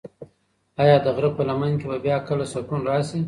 ایا د غره په لمن کې به بیا کله سکون راشي؟